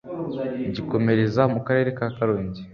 gikomereza mu karere ka Karongi